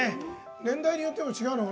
年代によっても違うね。